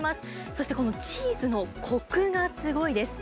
そして、このチーズのこくがすごいです。